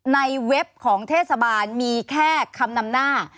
เว็บของเทศบาลมีแค่คำนำหน้า